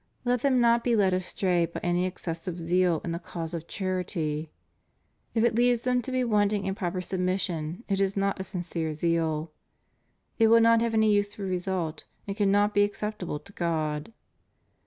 Let them not be led astray by an excessive zeal in the cause of charity. If it leads them to be wanting in proper submission it is not a sincere zeal ; it will not have any useful result and cannot be acceptable to God.